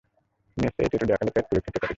মেসে এই ট্যাটু দেখালে, পেটপুরে খেতে পারি।